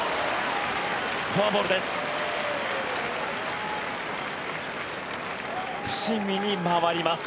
フォアボールです。